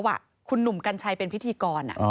ปีที่แล้วอ่ะคุณหนุ่มกัญชัยเป็นพิธีกรอ่ะอ๋อ